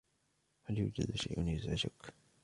هل يوجد شيء يُزعِجَك؟